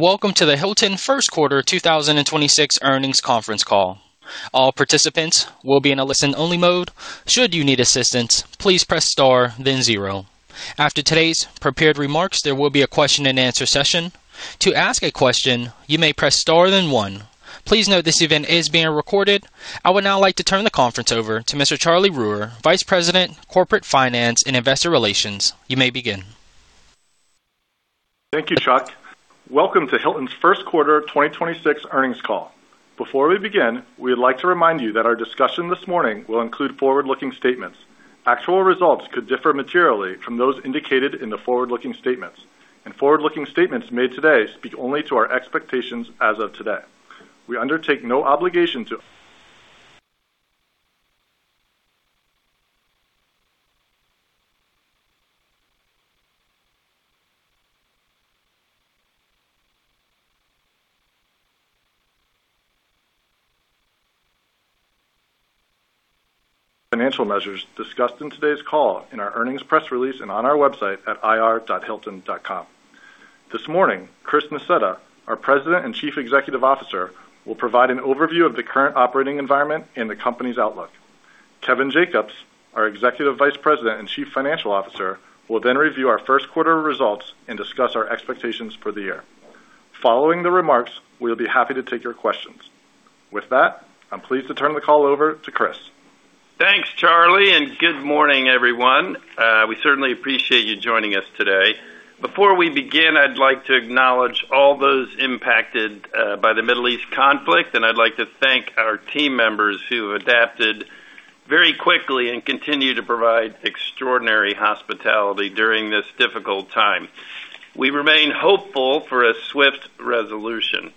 Welcome to the Hilton Q1 2026 Earnings Conference Call. Our participants will be in a listen-only mode. Should you need assistance please press star then zero. After today's prepared remarks there will be a question and answer session. To ask a question you may press star then one. Please note this event is being recorded. I would now like to turn the conference over to Mr. Charlie Ruehr, Vice President, Corporate Finance and Investor Relations. You may begin. Thank you, Chuck. Welcome to Hilton's first quarter 2026 earnings call. Before we begin, we'd like to remind you that our discussion this morning will include forward-looking statements. Actual results could differ materially from those indicated in the forward-looking statements, and forward-looking statements made today speak only to our expectations as of today. We undertake no obligation to. Financial measures discussed in today's call in our earnings press release and on our website at ir.hilton.com. This morning, Chris Nassetta, our President and Chief Executive Officer, will provide an overview of the current operating environment and the company's outlook. Kevin Jacobs, our Executive Vice President and Chief Financial Officer, will then review our first quarter results and discuss our expectations for the year. Following the remarks, we'll be happy to take your questions. With that, I'm pleased to turn the call over to Chris. Thanks, Charlie. Good morning, everyone. We certainly appreciate you joining us today. Before we begin, I'd like to acknowledge all those impacted by the Middle East conflict. I'd like to thank our team members who adapted very quickly and continue to provide extraordinary hospitality during this difficult time. We remain hopeful for a swift resolution.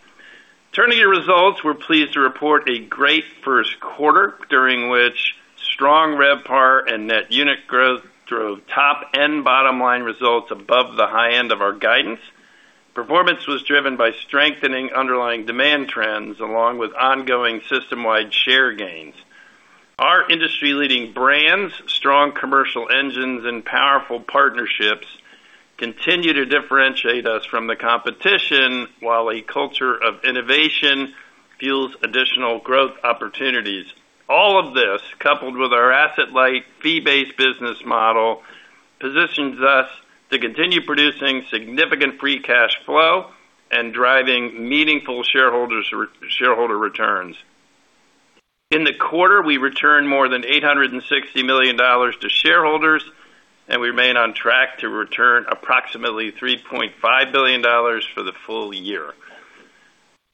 Turning to results, we're pleased to report a great first quarter, during which strong RevPAR and net unit growth drove top and bottom line results above the high end of our guidance. Performance was driven by strengthening underlying demand trends, along with ongoing system-wide share gains. Our industry-leading brands, strong commercial engines, and powerful partnerships continue to differentiate us from the competition, while a culture of innovation fuels additional growth opportunities. All of this, coupled with our asset light, fee-based business model, positions us to continue producing significant free cash flow and driving meaningful shareholder returns. In the quarter, we returned more than $860 million to shareholders, and we remain on track to return approximately $3.5 billion for the full year.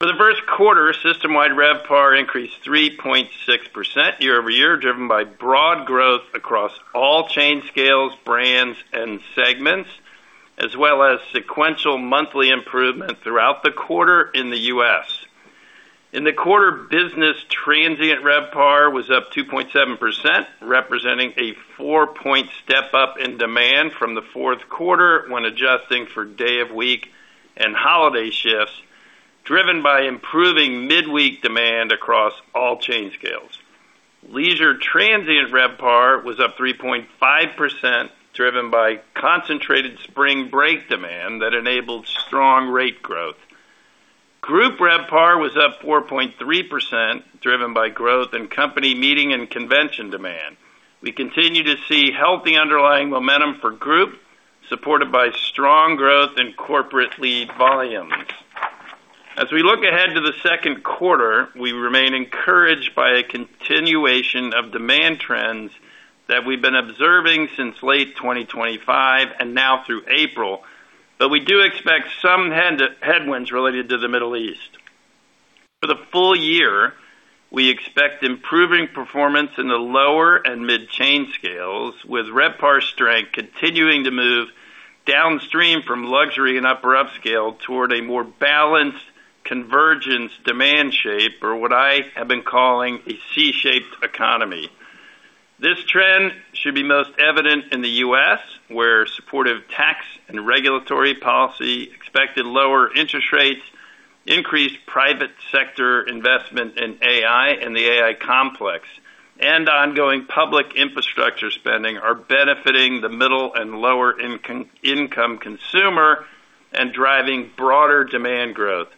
For the first quarter, system-wide RevPAR increased 3.6% year-over-year, driven by broad growth across all chain scales, brands, and segments, as well as sequential monthly improvement throughout the quarter in the U.S. In the quarter, business transient RevPAR was up 2.7%, representing a 4-point step up in demand from the fourth quarter when adjusting for day of week and holiday shifts, driven by improving midweek demand across all chain scales. Leisure transient RevPAR was up 3.5%, driven by concentrated spring break demand that enabled strong rate growth. Group RevPAR was up 4.3%, driven by growth in company meeting and convention demand. We continue to see healthy underlying momentum for group, supported by strong growth in corporate lead volumes. As we look ahead to the second quarter, we remain encouraged by a continuation of demand trends that we've been observing since late 2025 and now through April, but we do expect some headwinds related to the Middle East. For the full year, we expect improving performance in the lower and mid-chain scales, with RevPAR strength continuing to move downstream from luxury and upper upscale toward a more balanced convergence demand shape, or what I have been calling a C-shaped economy. This trend should be most evident in the U.S., where supportive tax and regulatory policy, expected lower interest rates, increased private sector investment in AI and the AI complex, and ongoing public infrastructure spending are benefiting the middle and lower income consumer and driving broader demand growth.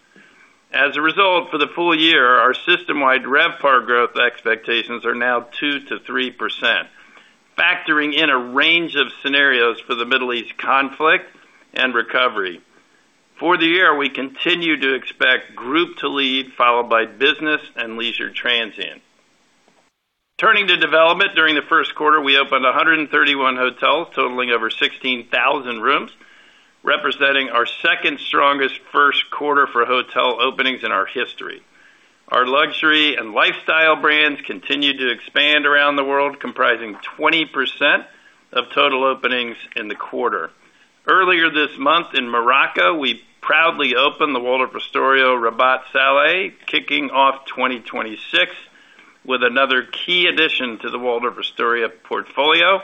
As a result, for the full year, our system-wide RevPAR growth expectations are now 2%-3%, factoring in a range of scenarios for the Middle East conflict and recovery. For the year, we continue to expect group to lead, followed by business and leisure transient. Turning to development, during the first quarter, we opened 131 hotels, totaling over 16,000 rooms, representing our second strongest first quarter for hotel openings in our history. Our luxury and lifestyle brands continued to expand around the world, comprising 20% of total openings in the quarter. Earlier this month in Morocco, we proudly opened the Waldorf Astoria Rabat Salé, kicking off 2026 with another key addition to the Waldorf Astoria portfolio,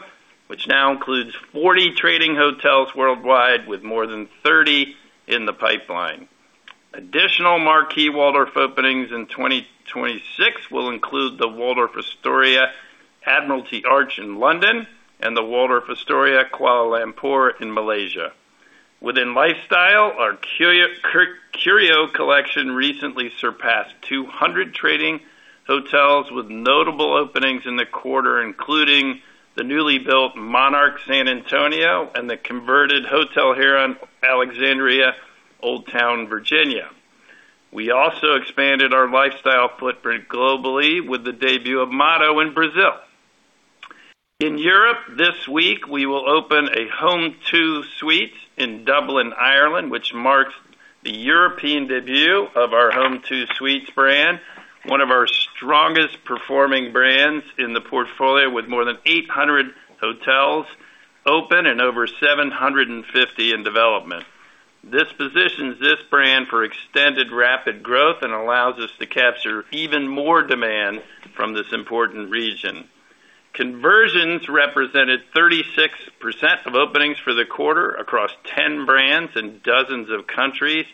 which now includes 40 trading hotels worldwide with more than 30 in the pipeline. Additional marquee Waldorf openings in 2026 will include the Waldorf Astoria London – Admiralty Arch in London, and the Waldorf Astoria Kuala Lumpur in Malaysia. Within lifestyle, our Curio Collection recently surpassed 200 trading hotels with notable openings in the quarter, including the newly built Monarch San Antonio and the converted Hotel Heron Alexandria, Old Town, Virginia. We also expanded our lifestyle footprint globally with the debut of Motto in Brazil. In Europe, this week, we will open a Home2 Suites in Dublin, Ireland, which marks the European debut of our Home2 Suites brand, one of our strongest performing brands in the portfolio, with more than 800 hotels open and over 750 in development. This positions this brand for extended rapid growth and allows us to capture even more demand from this important region. Conversions represented 36% of openings for the quarter across 10 brands in dozens of countries,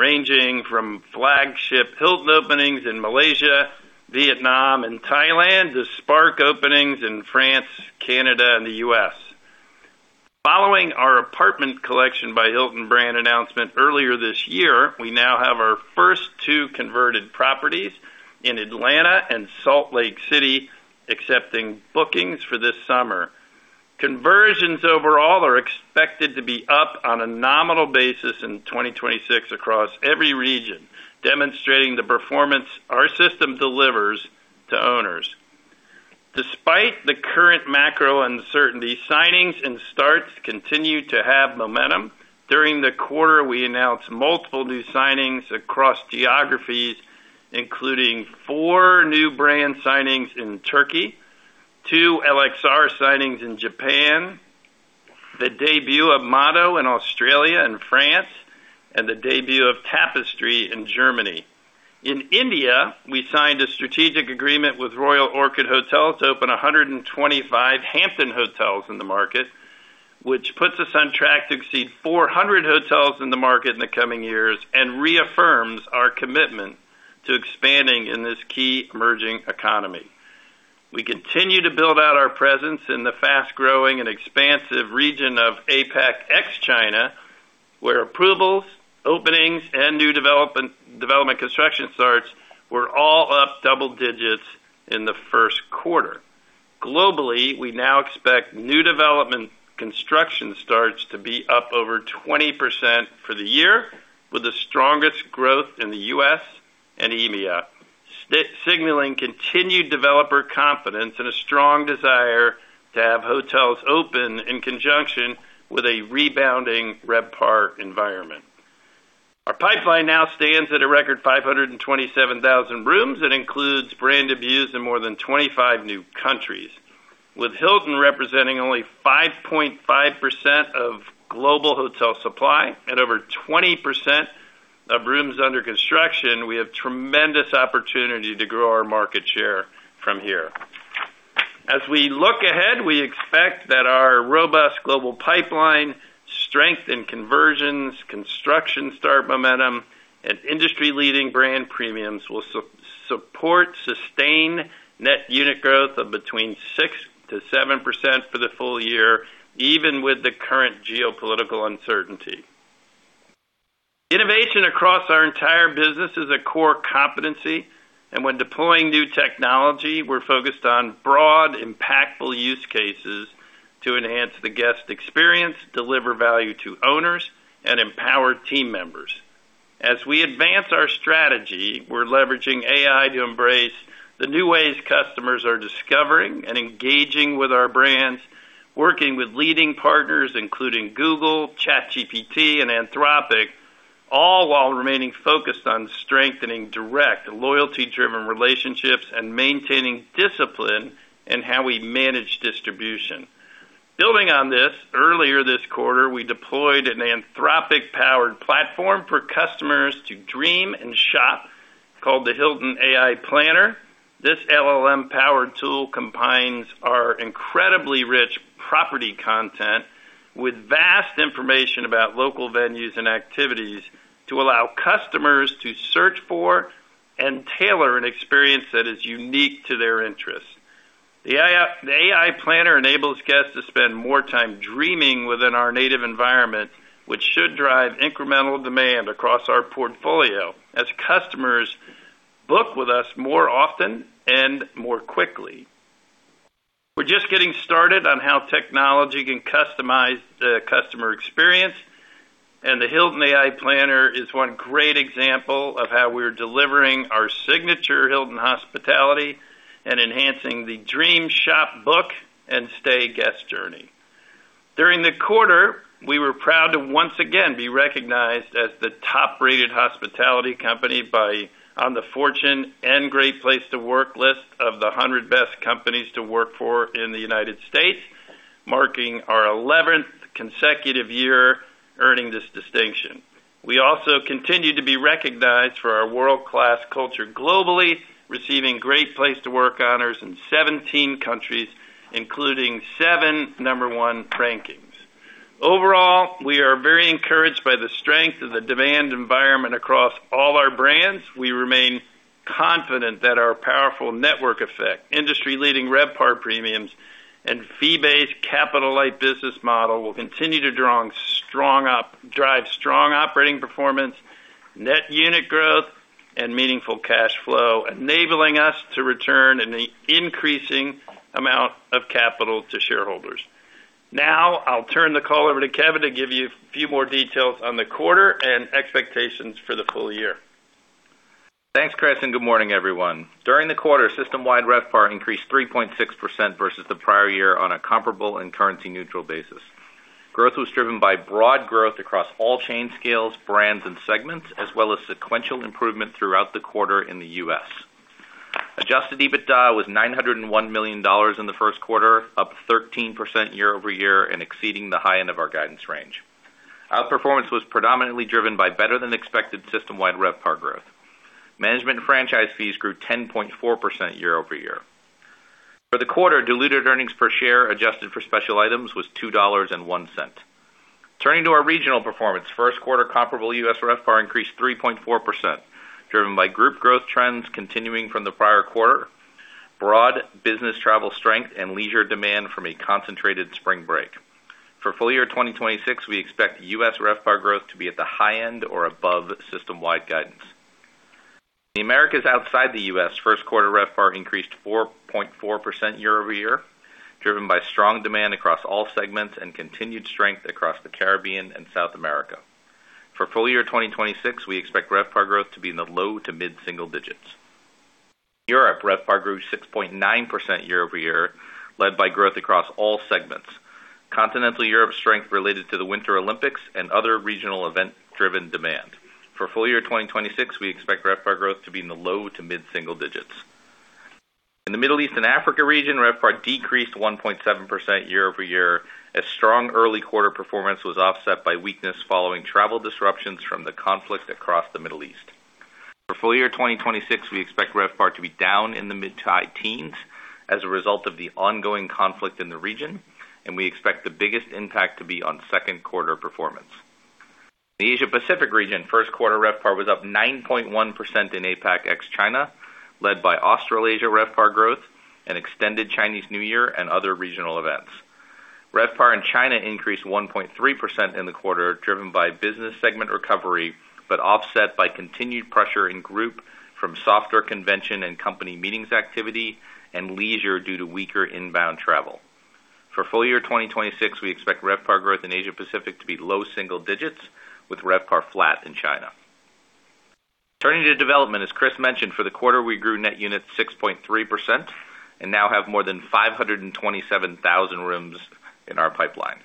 ranging from flagship Hilton openings in Malaysia, Vietnam, and Thailand to Spark openings in France, Canada, and the U.S. Following our Apartment Collection by Hilton brand announcement earlier this year, we now have our first two converted properties in Atlanta and Salt Lake City, accepting bookings for this summer. Conversions overall are expected to be up on a nominal basis in 2026 across every region, demonstrating the performance our system delivers to owners. Despite the current macro uncertainty, signings and starts continue to have momentum. During the quarter, we announced multiple new signings across geographies, including four new brand signings in Turkey, two LXR signings in Japan, the debut of Motto in Australia and France, and the debut of Tapestry in Germany. In India, we signed a strategic agreement with Royal Orchid Hotels to open 125 Hampton hotels in the market, which puts us on track to exceed 400 hotels in the market in the coming years and reaffirms our commitment to expanding in this key emerging economy. We continue to build out our presence in the fast-growing and expansive region of APAC ex-China, where approvals, openings, and new development construction starts were all up double-digits in the first quarter. Globally, we now expect new development construction starts to be up over 20% for the year, with the strongest growth in the U.S. and EMEA, signaling continued developer confidence and a strong desire to have hotels open in conjunction with a rebounding RevPAR environment. Our pipeline now stands at a record 527,000 rooms. It includes brand debuts in more than 25 new countries, with Hilton representing only 5.5% of global hotel supply and over 20% of rooms under construction, we have tremendous opportunity to grow our market share from here. As we look ahead, we expect that our robust global pipeline, strength in conversions, construction start momentum, and industry-leading brand premiums will support sustained net unit growth of between 6% to 7% for the full year, even with the current geopolitical uncertainty. Innovation across our entire business is a core competency, and when deploying new technology, we're focused on broad, impactful use cases to enhance the guest experience, deliver value to owners, and empower team members. As we advance our strategy, we're leveraging AI to embrace the new ways customers are discovering and engaging with our brands, working with leading partners, including Google, ChatGPT, and Anthropic, all while remaining focused on strengthening direct loyalty-driven relationships and maintaining discipline in how we manage distribution. Building on this, earlier this quarter, we deployed an Anthropic-powered platform for customers to dream and shop, called the Hilton AI Planner. This LLM-powered tool combines our incredibly rich property content with vast information about local venues and activities to allow customers to search for and tailor an experience that is unique to their interests. The AI Planner enables guests to spend more time dreaming within our native environment, which should drive incremental demand across our portfolio as customers book with us more often and more quickly. We're just getting started on how technology can customize the customer experience, and the Hilton AI Planner is one great example of how we're delivering our signature Hilton hospitality and enhancing the dream shop, book, and stay guest journey. During the quarter, we were proud to once again be recognized as the top-rated hospitality company by... On the Fortune and Great Place to Work list of the 100 best companies to work for in the U.S., marking our 11th consecutive year earning this distinction. We also continue to be recognized for our world-class culture globally, receiving Great Place to Work honors in 17 countries, including seven number one rankings. Overall, we are very encouraged by the strength of the demand environment across all our brands. We remain confident that our powerful network effect, industry-leading RevPAR premiums, and fee-based capital-light business model will continue to drive strong operating performance, net unit growth, and meaningful cash flow, enabling us to return an increasing amount of capital to shareholders. Now I'll turn the call over to Kevin to give you a few more details on the quarter and expectations for the full year. Thanks, Chris, and good morning, everyone. During the quarter, system-wide RevPAR increased 3.6% versus the prior year on a comparable and currency-neutral basis. Growth was driven by broad growth across all chain scales, brands, and segments, as well as sequential improvement throughout the quarter in the U.S. adjusted EBITDA was $901 million in the first quarter, up 13% year-over-year and exceeding the high end of our guidance range. Outperformance was predominantly driven by better-than-expected system-wide RevPAR growth. Management franchise fees grew 10.4% year-over-year. For the quarter, diluted earnings per share, adjusted for special items, was $2.01. Turning to our regional performance, first quarter comparable U.S. RevPAR increased 3.4%, driven by group growth trends continuing from the prior quarter, broad business travel strength, and leisure demand from a concentrated spring break. For full year 2026, we expect U.S. RevPAR growth to be at the high end or above system-wide guidance. The Americas outside the U.S. first quarter RevPAR increased 4.4% year-over-year, driven by strong demand across all segments and continued strength across the Caribbean and South America. For full year 2026, we expect RevPAR growth to be in the low to mid-single digits. Europe RevPAR grew 6.9% year-over-year, led by growth across all segments. Continental Europe strength related to the Winter Olympics and other regional event-driven demand. For full year 2026, we expect RevPAR growth to be in the low to mid-single digits. In the Middle East and Africa region, RevPAR decreased 1.7% year-over-year, as strong early quarter performance was offset by weakness following travel disruptions from the conflict across the Middle East. For full year 2026, we expect RevPAR to be down in the mid to high teens as a result of the ongoing conflict in the region, and we expect the biggest impact to be on second quarter performance. The Asia Pacific region, first quarter RevPAR was up 9.1% in APAC ex China, led by Australasia RevPAR growth and extended Chinese New Year and other regional events. RevPAR in China increased 1.3% in the quarter, driven by business segment recovery, offset by continued pressure in group from softer convention and company meetings activity and leisure due to weaker inbound travel. For full year 2026, we expect RevPAR growth in Asia Pacific to be low single digits, with RevPAR flat in China. Turning to development, as Chris mentioned, for the quarter, we grew net units 6.3% and now have more than 527,000 rooms in our pipeline.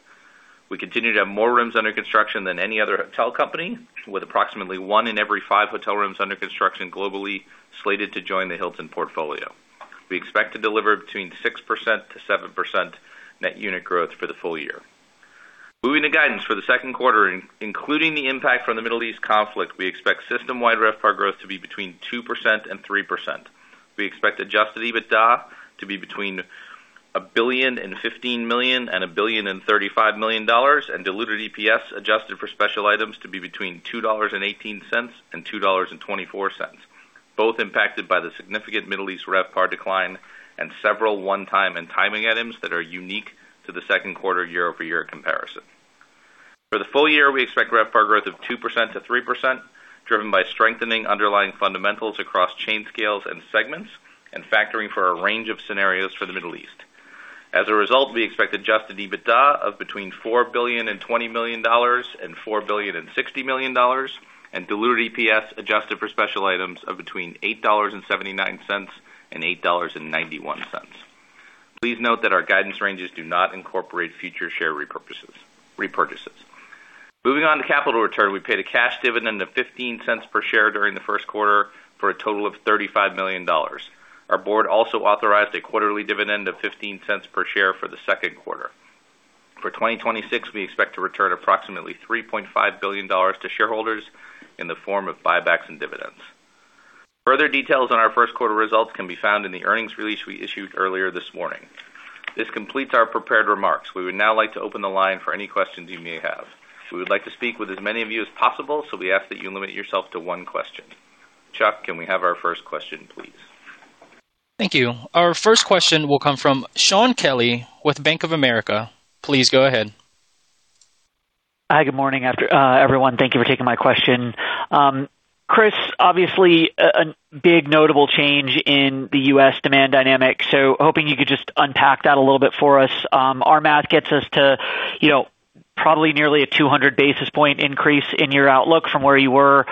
We continue to have more rooms under construction than any other hotel company, with approximately one in every five hotel rooms under construction globally slated to join the Hilton portfolio. We expect to deliver between 6% to 7% net unit growth for the full year. Moving to guidance for the second quarter, including the impact from the Middle East conflict, we expect system-wide RevPAR growth to be between 2% and 3%. We expect Adjusted EBITDA to be between $1.015 billion and $1.035 billion, and diluted EPS adjusted for special items to be between $2.18 and $2.24, both impacted by the significant Middle East RevPAR decline and several one-time and timing items that are unique to the second quarter year-over-year comparison. For the full year, we expect RevPAR growth of 2%-3%, driven by strengthening underlying fundamentals across chain scales and segments and factoring for a range of scenarios for the Middle East. As a result, we expect adjusted EBITDA of between $4.02 billion and $4.06 billion, and diluted EPS adjusted for special items of between $8.79 and $8.91. Please note that our guidance ranges do not incorporate future share repurchases. Moving on to capital return, we paid a cash dividend of $0.15 per share during the first quarter for a total of $35 million. Our board also authorized a quarterly dividend of $0.15 per share for the second quarter. For 2026, we expect to return approximately $3.5 billion to shareholders in the form of buybacks and dividends. Further details on our first quarter results can be found in the earnings release we issued earlier this morning. This completes our prepared remarks. We would now like to open the line for any questions you may have. We would like to speak with as many of you as possible, so we ask that you limit yourself to one question. Chuck, can we have our first question, please? Thank you. Our first question will come from Shaun Kelley with Bank of America. Please go ahead. Hi, good morning, everyone. Thank you for taking my question. Chris, obviously a big notable change in the U.S. demand dynamics, hoping you could just unpack that a little bit for us. Our math gets us to, you know, probably nearly a 200 basis point increase in your outlook from where you were,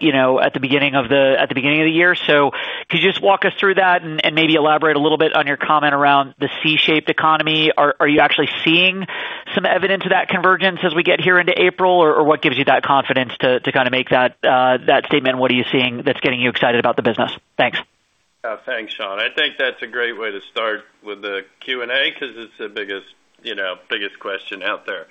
you know, at the beginning of the year. Could you just walk us through that and maybe elaborate a little bit on your comment around the C-shaped economy? Are you actually seeing some evidence of that convergence as we get here into April, or what gives you that confidence to kinda make that statement, and what are you seeing that's getting you excited about the business? Thanks. Thanks, Shaun. I think that's a great way to start with the Q and A 'cause it's the biggest, you know, biggest question out there.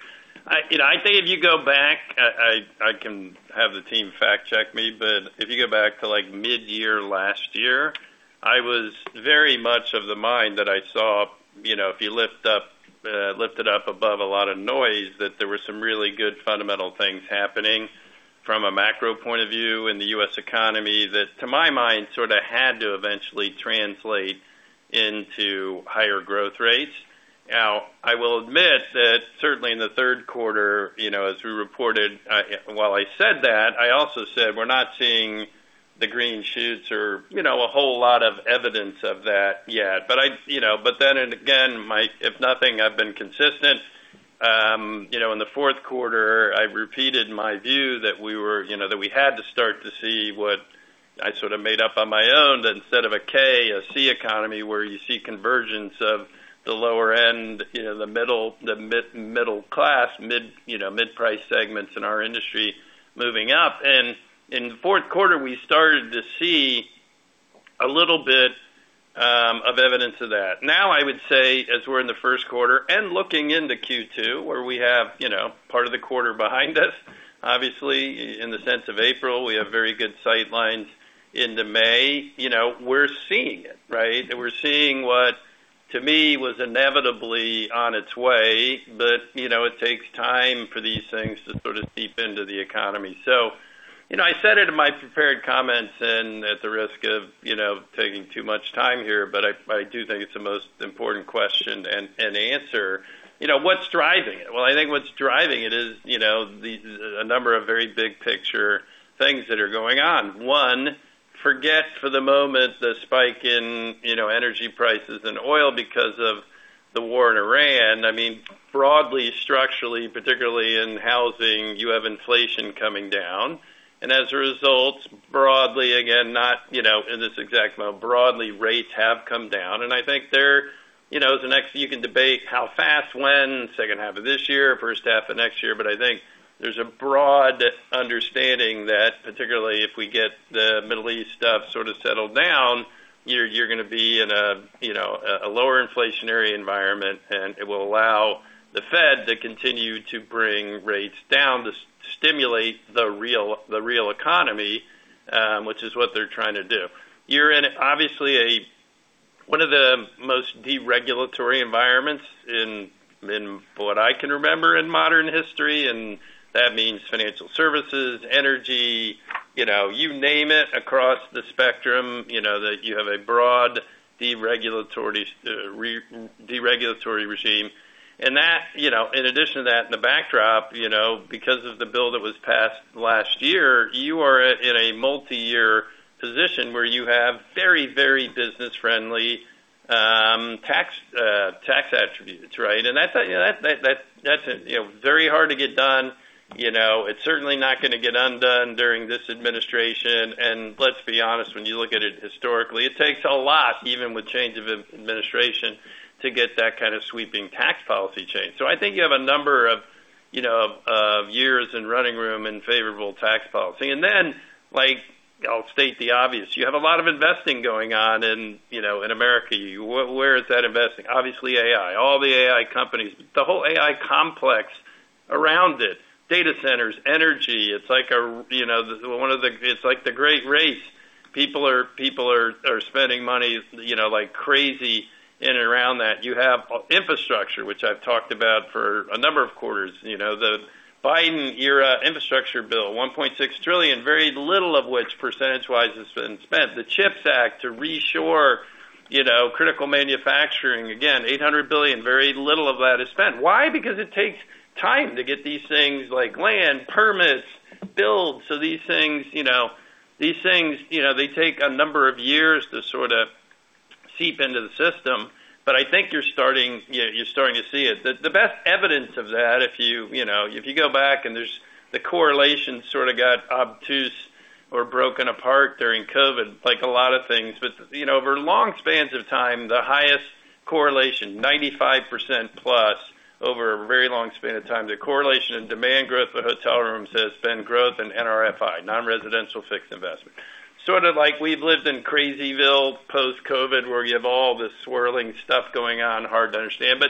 I, you know, I think if you go back, I can have the team fact check me, but if you go back to, like, midyear last year, I was very much of the mind that I saw, you know, if you lift up, Lift it up above a lot of noise, that there were some really good fundamental things happening from a macro point of view in the U.S. economy that, to my mind, sort of had to eventually translate into higher growth rates. Now, I will admit that certainly in the third quarter, you know, as we reported, while I said that, I also said we're not seeing the green shoots or, you know, a whole lot of evidence of that yet. You know, then and again, if nothing, I've been consistent. You know, in the fourth quarter, I repeated my view that we were, you know, that we had to start to see what I sort of made up on my own, that instead of a K, a C economy, where you see convergence of the lower end, you know, the middle, the mid-middle class, mid, you know, mid-price segments in our industry moving up. In the fourth quarter, we started to see a little bit of evidence of that. I would say, as we're in the first quarter and looking into Q2, where we have, you know, part of the quarter behind us, obviously, in the sense of April, we have very good sight lines into May. You know, we're seeing it, right? We're seeing what, to me, was inevitably on its way. You know, it takes time for these things to sort of seep into the economy. You know, I said it in my prepared comments and at the risk of, you know, taking too much time here, but I do think it's the most important question and answer. You know, what's driving it? Well, I think what's driving it is, you know, a number of very big picture things that are going on. One, forget for the moment the spike in, you know, energy prices and oil because of the war in Iran. I mean, broadly, structurally, particularly in housing, you have inflation coming down. As a result, broadly, again, not, you know, in this exact amount, broadly, rates have come down. I think they're, you know. You can debate how fast, when, second half of this year, first half of next year. I think there's a broad understanding that particularly if we get the Middle East stuff sort of settled down, you're gonna be in a, you know, a lower inflationary environment, and it will allow the Fed to continue to bring rates down to stimulate the real economy, which is what they're trying to do. You're in obviously one of the most deregulatory environments in what I can remember in modern history, and that means financial services, energy, you know, you name it across the spectrum, you know, that you have a broad deregulatory regime. That, you know, in addition to that, in the backdrop, you know, because of the bill that was passed last year, you are in a multi-year position where you have very, very business-friendly tax attributes, right? That's, you know, very hard to get done. You know, it's certainly not gonna get undone during this administration. Let's be honest, when you look at it historically, it takes a lot, even with change of administration, to get that kind of sweeping tax policy change. I think you have a number of, you know, of years and running room and favorable tax policy. Then, like, I'll state the obvious, you have a lot of investing going on in, you know, in America. Where is that investing? AI, all the AI companies, the whole AI complex around it, data centers, energy. It's like, you know, it's like the great race. People are spending money, you know, like crazy in and around that. You have infrastructure, which I've talked about for a number of quarters. You know, the Biden-era infrastructure bill, $1.6 trillion, very little of which percentage-wise has been spent. The CHIPS Act to reshore, you know, critical manufacturing. Again, $800 billion, very little of that is spent. Why? Because it takes time to get these things like land, permits, build. These things, you know, they take a number of years to sort of seep into the system, but I think you're starting, you're starting to see it. The best evidence of that, if you know, if you go back and there's the correlation sort of got obtuse or broken apart during COVID, like a lot of things. You know, over long spans of time, the highest correlation, 95%+ over a very long span of time, the correlation in demand growth for hotel rooms has been growth in NRFI, nonresidential fixed investment. Sort of like we've lived in crazyville post-COVID, where you have all this swirling stuff going on, hard to understand.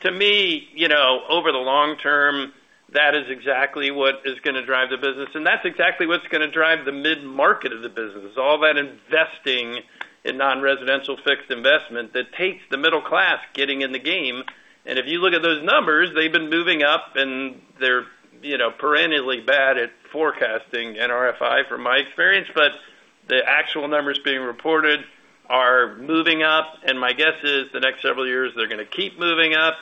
To me, you know, over the long term, that is exactly what is gonna drive the business, and that's exactly what's gonna drive the mid-market of the business. All that investing in nonresidential fixed investment that takes the middle class getting in the game, and if you look at those numbers, they've been moving up, and they're, you know, perennially bad at forecasting NRFI from my experience. The actual numbers being reported are moving up, and my guess is the next several years they're gonna keep moving up,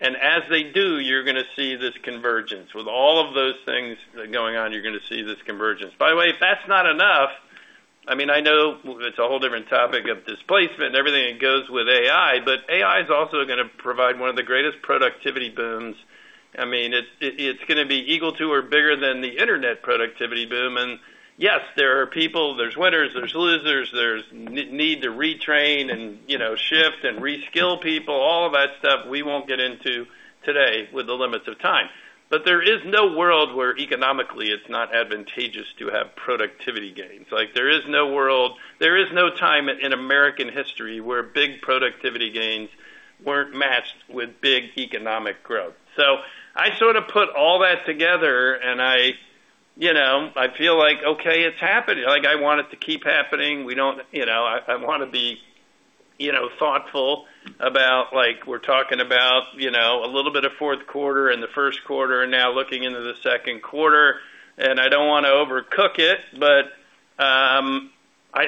and as they do, you're gonna see this convergence. With all of those things going on, you're gonna see this convergence. By the way, if that's not enough, I mean, I know it's a whole different topic of displacement and everything that goes with AI is also gonna provide one of the greatest productivity booms. I mean, it's gonna be equal to or bigger than the internet productivity boom. Yes, there are people, there's winners, there's losers, there's need to retrain and, you know, shift and re-skill people, all of that stuff we won't get into today with the limits of time. There is no world where economically it's not advantageous to have productivity gains. Like, there is no world, there is no time in American history where big productivity gains weren't matched with big economic growth. I sort of put all that together and I, you know, I feel like, okay, it's happening. Like, I want it to keep happening. You know, I wanna be, you know, thoughtful about, like, we're talking about, you know, a little bit of fourth quarter and the first quarter and now looking into the second quarter. I don't wanna overcook it, but,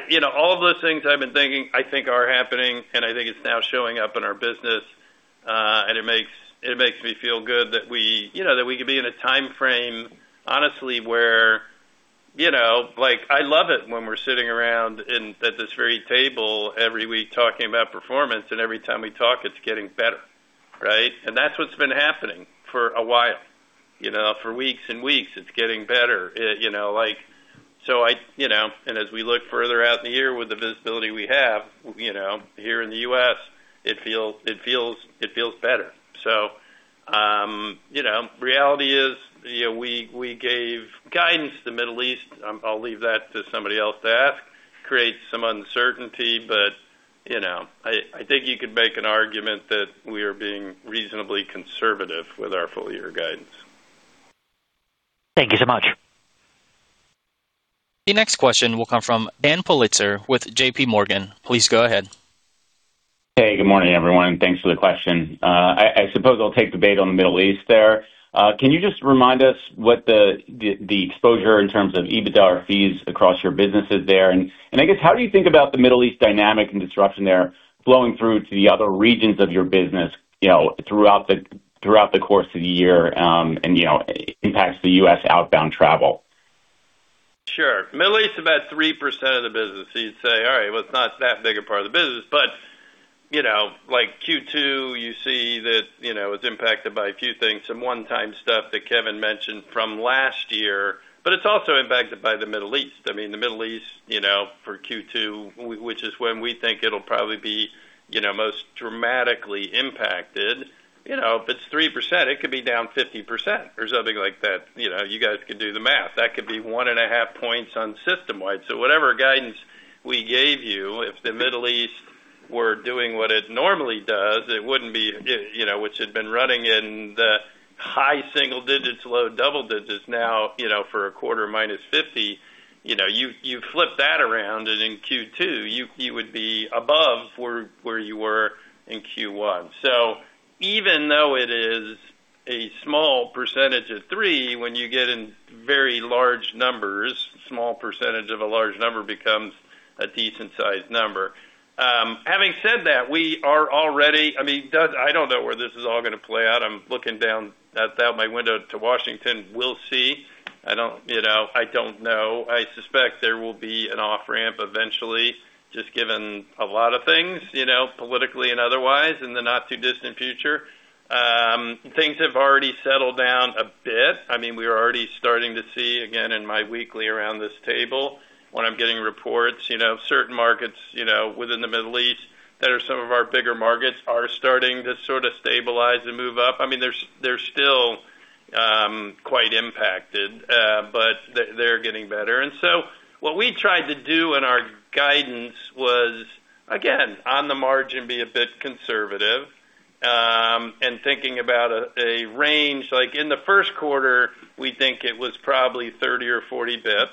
you know, all of those things I've been thinking, I think are happening, and I think it's now showing up in our business. It makes, it makes me feel good that we, you know, that we could be in a timeframe, honestly, where, you know, like, I love it when we're sitting around at this very table every week talking about performance, and every time we talk, it's getting better, right? That's what's been happening for a while. You know, for weeks and weeks, it's getting better. You know, and as we look further out in the year with the visibility we have, you know, here in the U.S., it feels better. You know, reality is, you know, we gave guidance to Middle East. I'll leave that to somebody else to ask. Creates some uncertainty, but, you know, I think you could make an argument that we are being reasonably conservative with our full year guidance. Thank you so much. The next question will come from Daniel Politzer with JPMorgan. Please go ahead. Hey, good morning, everyone, and thanks for the question. I suppose I'll take the bait on the Middle East there. Can you just remind us what the, the exposure in terms of EBITDA fees across your business is there? I guess, how do you think about the Middle East dynamic and disruption there flowing through to the other regions of your business, you know, throughout the, throughout the course of the year, and, you know, impacts the U.S. outbound travel? Sure. Middle East, about 3% of the business. You'd say, "All right, well, it's not that big a part of the business." You know, like Q2, you see that, you know, it's impacted by a few things, some one-time stuff that Kevin mentioned from last year, but it's also impacted by the Middle East. I mean, the Middle East, you know, for Q2, which is when we think it'll probably be, you know, most dramatically impacted. You know, if it's 3%, it could be down 50% or something like that. You know, you guys could do the math. That could be 1.5% points on system wide. Whatever guidance we gave you, if the Middle East were doing what it normally does, it wouldn't be, you know, which had been running in the high single digits, low double digits now, you know, for a quarter -50%, you know, you flip that around and in Q2 you would be above where you were in Q1. Even though it is a small percentage of 3%, when you get in very large numbers, small percentage of a large number becomes a decent sized number. Having said that, we are already... I mean, I don't know where this is all gonna play out. I'm looking down, out my window to Washington. We'll see. I don't, you know, I don't know. I suspect there will be an off-ramp eventually, just given a lot of things, you know, politically and otherwise, in the not-too-distant future. Things have already settled down a bit. I mean, we are already starting to see, again, in my weekly around this table when I'm getting reports, you know, certain markets, you know, within the Middle East that are some of our bigger markets are starting to sort of stabilize and move up. They're still quite impacted, but they're getting better. What we tried to do in our guidance was, again, on the margin, be a bit conservative and thinking about a range. Like in the first quarter, we think it was probably 30 or 40 bps,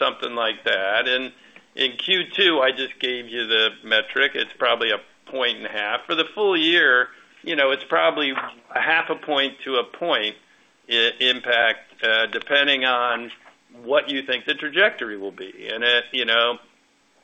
something like that. In Q2, I just gave you the metric. It's probably 1.5%. For the full year, you know, it's probably a 0.5%-1% impact, depending on what you think the trajectory will be. It, you know,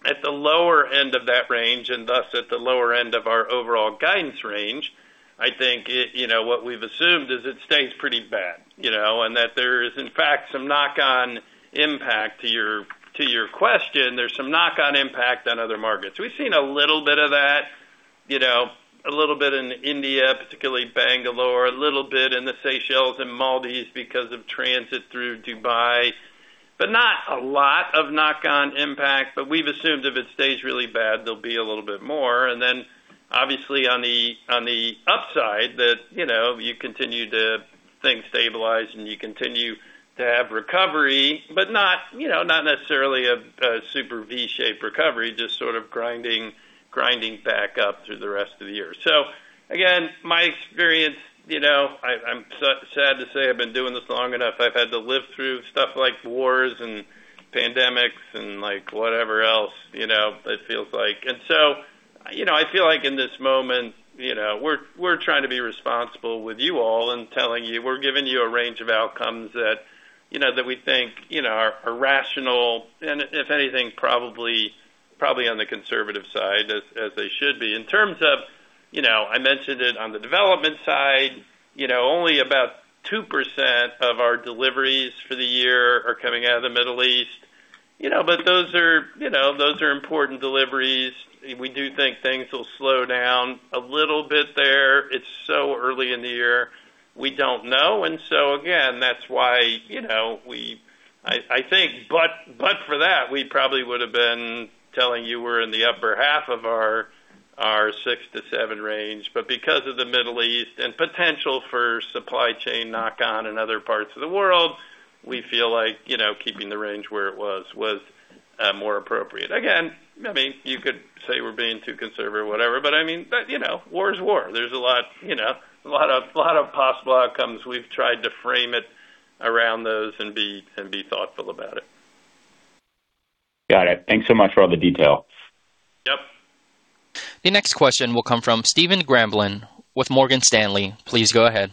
at the lower end of that range, and thus at the lower end of our overall guidance range, I think it, you know, what we've assumed is it stays pretty bad, you know, and that there is, in fact, some knock-on impact. To your question, there's some knock-on impact on other markets. We've seen a little bit of that, you know, a little bit in India, particularly Bangalore, a little bit in the Seychelles and Maldives because of transit through Dubai. Not a lot of knock-on impact, but we've assumed if it stays really bad, there'll be a little bit more. Then obviously on the upside that, you know, you continue to things stabilize and you continue to have recovery, but not, you know, not necessarily a super V-shaped recovery, just sort of grinding back up through the rest of the year. Again, my experience, you know, I'm sad to say I've been doing this long enough. I've had to live through stuff like wars and pandemics and, like, whatever else, you know, it feels like. You know, I feel like in this moment, you know, we're trying to be responsible with you all and we're giving you a range of outcomes that, you know, that we think, you know, are rational and if anything, probably on the conservative side as they should be. In terms of, you know, I mentioned it on the development side, you know, only about 2% of our deliveries for the year are coming out of the Middle East. You know, those are, you know, those are important deliveries. We do think things will slow down a little bit there. It's so early in the year. We don't know. So again, that's why, you know, we, I think, but for that, we probably would've been telling you we're in the upper half of our 6%-7% range. Because of the Middle East and potential for supply chain knock-on in other parts of the world, we feel like, you know, keeping the range where it was more appropriate. Again, I mean, you could say we're being too conservative or whatever, but I mean, you know, war is war. There's a lot, you know, a lot of possible outcomes. We've tried to frame it around those and be thoughtful about it. Got it. Thanks so much for all the detail. Yep. The next question will come from Stephen Grambling with Morgan Stanley. Please go ahead.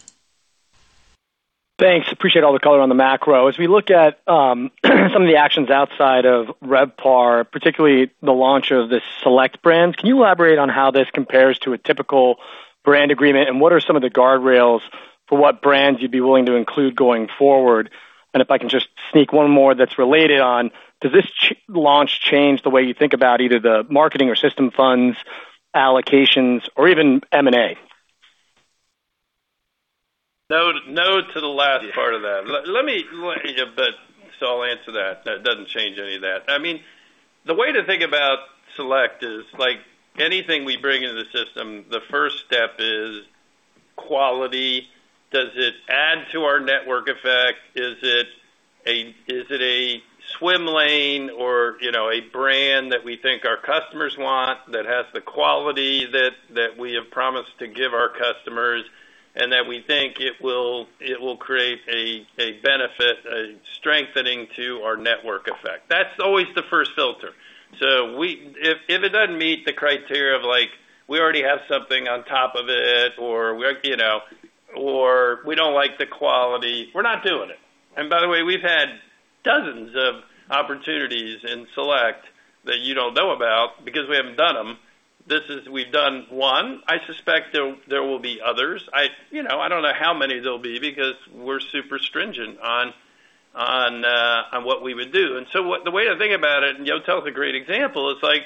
Thanks. Appreciate all the color on the macro. As we look at, some of the actions outside of RevPAR, particularly the launch of this Select brand, can you elaborate on how this compares to a typical brand agreement, and what are some of the guardrails for what brands you'd be willing to include going forward? If I can just sneak one more that's related on, does this launch change the way you think about either the marketing or system funds allocations or even M&A? No, no to the last part of that. Let me answer that. That doesn't change any of that. I mean, the way to think about Select is like anything we bring into the system, the first step is quality. Does it add to our network effect? Is it a swim lane or, you know, a brand that we think our customers want that has the quality that we have promised to give our customers, and that we think it will create a benefit, a strengthening to our network effect? That's always the first filter. If it doesn't meet the criteria of like, we already have something on top of it or we're, you know, or we don't like the quality, we're not doing it. By the way, we've had dozens of opportunities in Select that you don't know about because we haven't done them. We've done one. I suspect there will be others. I, you know, I don't know how many there'll be because we're super stringent on what we would do. The way to think about it, and YOTEL is a great example, it's like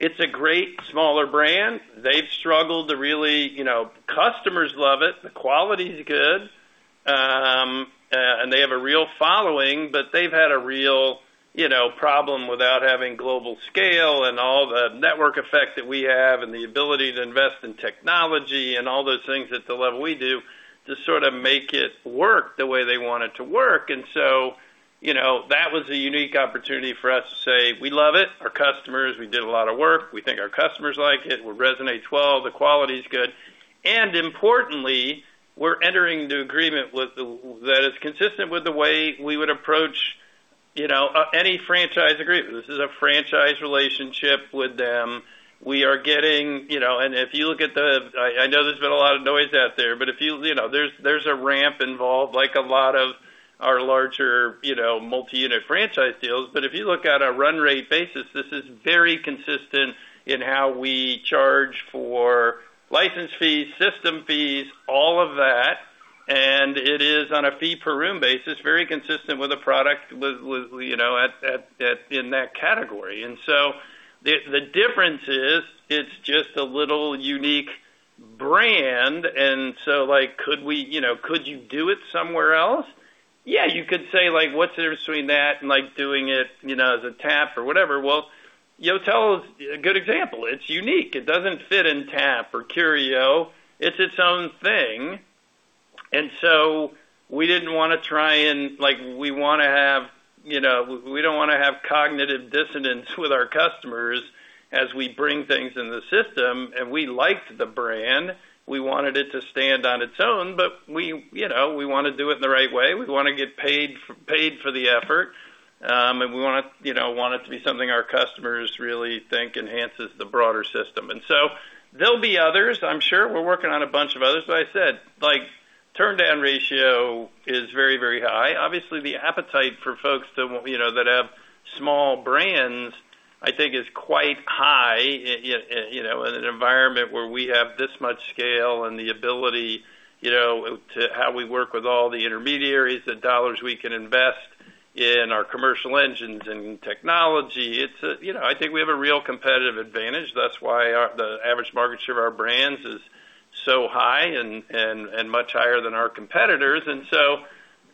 it's a great smaller brand. They've struggled to really, you know. Customers love it, the quality is good, and they have a real following, but they've had a real, you know, problem without having global scale and all the network effect that we have and the ability to invest in technology and all those things at the level we do to sort of make it work the way they want it to work. You know, that was a unique opportunity for us to say, we love it. Our customers, we did a lot of work. We think our customers like it. It will resonate well. The quality is good. Importantly, we're entering the agreement that is consistent with the way we would approach, you know, any franchise agreement. This is a franchise relationship with them. If you look at, I know there's been a lot of noise out there, but if you know, there's a ramp involved, like a lot of our larger, you know, multi-unit franchise deals. If you look at a run rate basis, this is very consistent in how we charge for license fees, system fees, all of that, and it is on a fee per room basis, very consistent with a product with, you know, in that category. The difference is it's just a little unique brand. Like, could we, you know, could you do it somewhere else? Yeah, you could say, like, what's the difference between that and, like, doing it, you know, as a Tap or whatever? Well, YOTEL is a good example. It's unique. It doesn't fit in Tap or Curio. It's its own thing. So we didn't wanna try. Like, we wanna have, you know, we don't wanna have cognitive dissonance with our customers as we bring things in the system, and we liked the brand. We wanted it to stand on its own, we, you know, we wanna do it the right way. We wanna get paid for the effort, and we wanna, you know, want it to be something our customers really think enhances the broader system. There'll be others, I'm sure. We're working on a bunch of others. I said, like, turndown ratio is very, very high. Obviously, the appetite for folks to, you know, that have small brands, I think is quite high, you know, in an environment where we have this much scale and the ability, you know, to how we work with all the intermediaries, the dollars we can invest in our commercial engines and technology. It's a, you know. I think we have a real competitive advantage. That's why our average market share of our brands is so high and much higher than our competitors.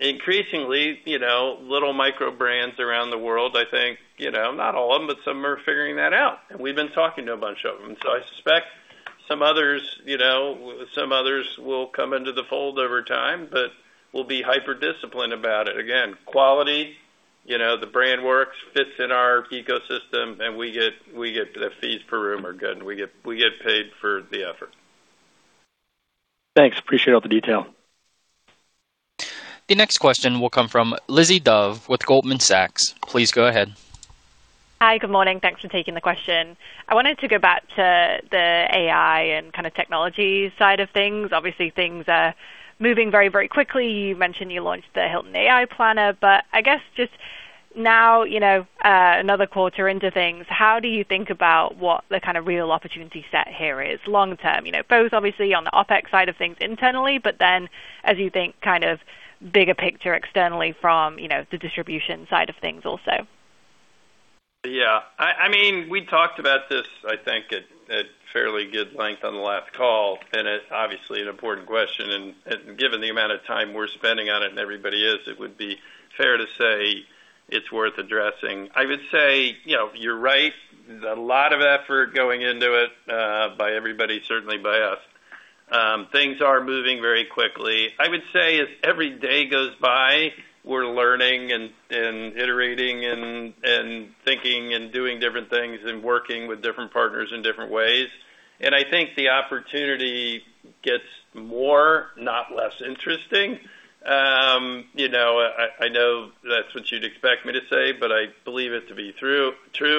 Increasingly, you know, little micro brands around the world, I think, you know, not all of them, but some are figuring that out, and we've been talking to a bunch of them. I suspect some others, you know, some others will come into the fold over time, but we'll be hyper-disciplined about it. Again, quality, you know, the brand works, fits in our ecosystem, and we get. The fees per room are good. We get paid for the effort. Thanks. Appreciate all the detail. The next question will come from Lizzie Dove with Goldman Sachs. Please go ahead. Hi. Good morning. Thanks for taking the question. I wanted to go back to the AI and kind of technology side of things. Obviously, things are moving very, very quickly. You mentioned you launched the Hilton AI Planner, but I guess just now, you know, another quarter into things, how do you think about what the kind of real opportunity set here is long term? You know, both obviously on the OpEx side of things internally, but then as you think kind of bigger picture externally from, you know, the distribution side of things also. Yeah. I mean, we talked about this, I think, at fairly good length on the last call, and it's obviously an important question. Given the amount of time we're spending on it and everybody is, it would be fair to say it's worth addressing. I would say, you know, you're right. There's a lot of effort going into it by everybody, certainly by us. Things are moving very quickly. I would say as every day goes by, we're learning and iterating and thinking and doing different things and working with different partners in different ways. I think the opportunity gets more, not less interesting. You know, I know that's what you'd expect me to say, but I believe it to be true.